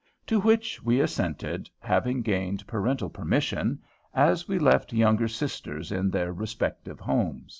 To which we assented, having gained parental permission, as we left younger sisters in their respective homes.